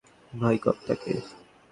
ভয় কর তাঁকে।